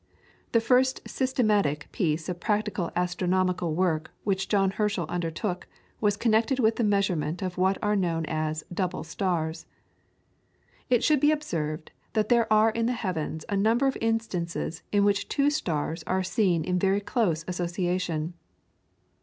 The first systematic piece of practical astronomical work which John Herschel undertook was connected with the measurement of what are known as "Double Stars." It should be observed, that there are in the heavens a number of instances in which two stars are seen in very close association.